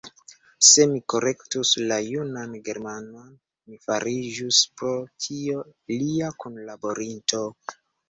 Se mi korektus la junan Germanon, mi fariĝus, pro tio, lia kunlaborinto.